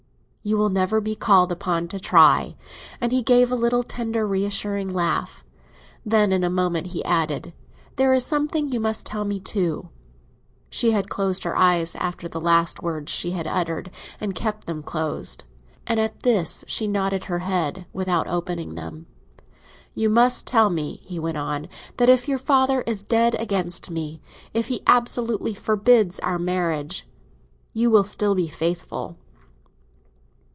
"You will never be called upon to try!" And he gave a little tender, reassuring laugh. Then, in a moment, he added, "There is something you must tell me, too." She had closed her eyes after the last word she uttered, and kept them closed; and at this she nodded her head, without opening them. "You must tell me," he went on, "that if your father is dead against me, if he absolutely forbids our marriage, you will still be faithful."